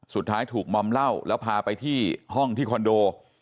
สุดท้ายถูกมอมเหล้าแล้วพาไปที่ห้องที่คอนโด